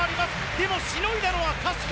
でも、しのいだのは確か。